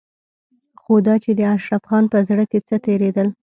خو دا چې د اشرف خان په زړه کې څه تېرېدل.